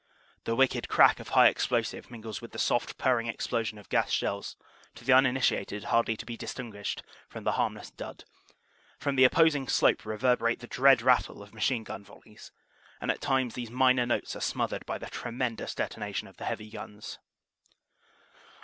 The wicked crack of high explosive mingles with the soft purring explo sion of gas shells to the uninitiated hardly to be distinguished from the harmless "dud"; from the opposing slope reverberate the dread rattle of machine gun volleys; and at times these minor notes are smothered by the tremendous detonation of heavy guns.